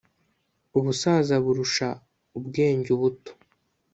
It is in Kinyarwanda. ubusaza burusha ubwenge ubuto.